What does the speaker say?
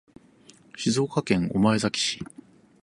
静岡県御前崎市